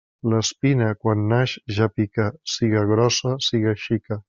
L'espina, quan naix ja pica, siga grossa siga xica.